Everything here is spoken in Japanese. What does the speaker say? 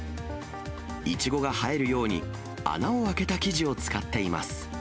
いちごが映えるように、穴を開けた生地を使っています。